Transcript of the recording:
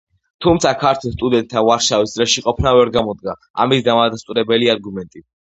თუმცა, ქართველ სტუდენტთა ვარშავის წრეში ყოფნა ვერ გამოდგა ამის დამადასტურებელი არგუმენტი.